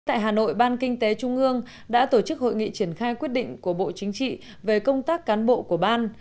tại hà nội ban kinh tế trung ương đã tổ chức hội nghị triển khai quyết định của bộ chính trị về công tác cán bộ của ban